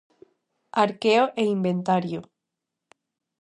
Arqueo e inventario.